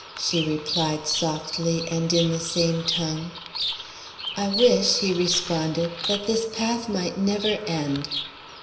she replied, softly and in the same tongue. "I wish," he responded, "that this path might never end."